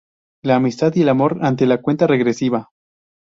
La amistad y el amor ante la cuenta regresiva.